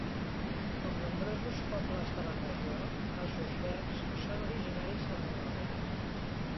Com nombrosos pobles de la regió, els uzbeks són originaris de Mongòlia.